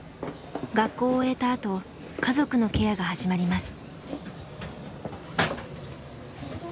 学校を終えたあと家族のケアが始まります。